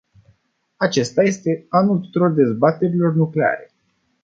Acesta este anul tuturor dezbaterilor nucleare.